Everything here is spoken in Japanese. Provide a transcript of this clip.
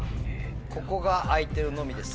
ここが空いてるのみです。